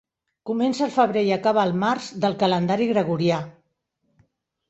Comença el febrer i acaba el març del calendari gregorià.